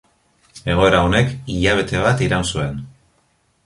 Egoera honek hilabete bat iraun zuen.